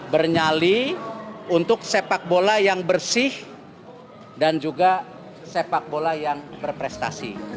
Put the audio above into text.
bernyali untuk sepak bola yang bersih dan juga sepak bola yang berprestasi